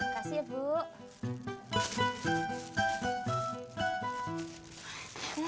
kasih ya bu